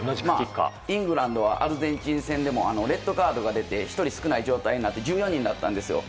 イングランドはアルゼンチン戦でもレッドカードが出て１人少ない状態で１４人だったんですよ。